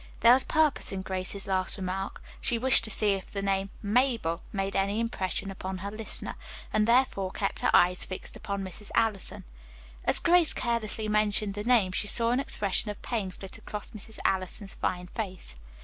There was purpose in Grace's last remark. She wished to see if the name "Mabel" made any impression upon her listener, and therefore kept her eyes fixed upon Mrs. Allison. As Grace carelessly mentioned the name she saw an expression of pain flit across Mrs. Allison's fine face.